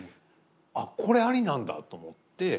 あっこれありなんだと思って。